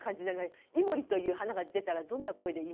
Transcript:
「井森」という花が出たらどんな声で言いますか？